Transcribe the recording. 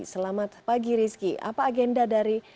selamat pagi rizky apa agenda dari